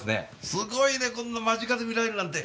すごいねこんな間近で見られるなんて。